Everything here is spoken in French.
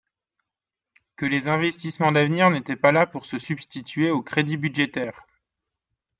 que les investissements d’avenir n’étaient pas là pour se substituer aux crédits budgétaires.